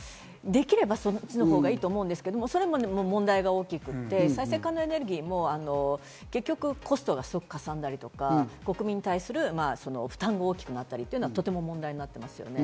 できればいいですけど、それも問題が大きくて、再生可能エネルギーも、コストがかさんだり、国民に対する負担が大きくなったりというのがとても問題になってますね。